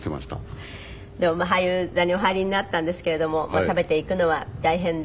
でも俳優座にお入りになったんですけれども食べていくのは大変で。